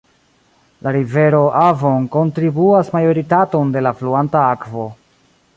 La rivero Avon kontribuas majoritaton de la fluanta akvo.